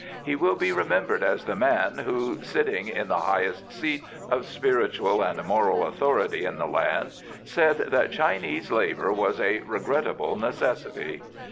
He will be remembered as the man who, sitting in the highest seat of spiritual and moral authority in the land, said that Chinese labour was " a regrettable necessity."